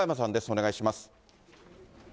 お願いします。